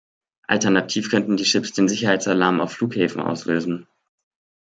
Alternativ könnten die Chips den Sicherheitsalarm auf Flughäfen auslösen.